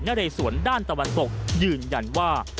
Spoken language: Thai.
เรสวนด้านตะวันตกยืนยันว่า